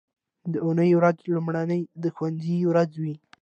د اونۍ ورځ لومړنۍ د ښوونځي ورځ وي